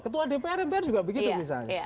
ketua dpr mpr juga begitu misalnya